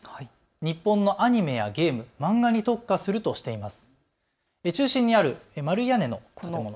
日本のアニメやゲーム、漫画に特化するとしています。